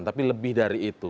tapi lebih dari itu